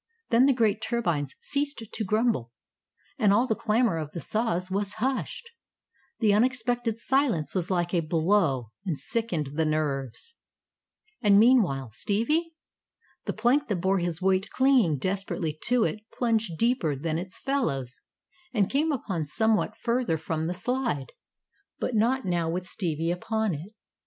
Then the great turbines ceased to grumble, and all the clamor of the saws was hushed. The unexpected silence was like a blow, and sickened the nerves. And meanwhile Stevie? The plank that bore his weight clinging desperately to it, plunged deeper than its fellows, and came up somewhat further from the slide, but not now with Stevie upon it.